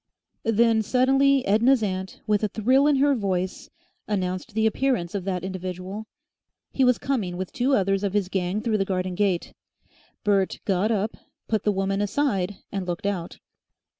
Then suddenly Edna's aunt, with a thrill in her voice, announced the appearance of that individual. He was coming with two others of his gang through the garden gate. Bert got up, put the woman aside, and looked out.